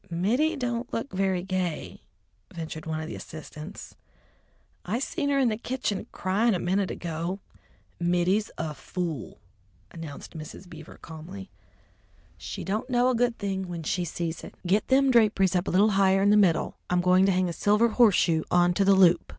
"Mittie don't look very gay," ventured one of the assistants. "I seen her in the kitchen cryin' a minute ago." "Mittie's a fool!" announced Mrs. Beaver calmly. "She don't know a good thing when she sees it! Get them draperies up a little higher in the middle; I'm going to hang a silver horseshoe on to the loop."